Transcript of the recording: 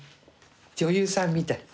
女優さんみたい。